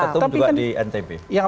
ketum juga di ntb